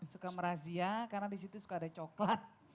suka merazia karena disitu suka ada coklat